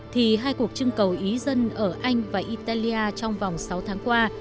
thì hai cuộc trưng cầu ý dân ở anh và italia trong vòng sáu tháng qua